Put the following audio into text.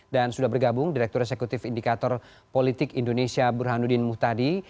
dan sudah bergabung direktur eksekutif indikator politik indonesia burhanuddin muhtadi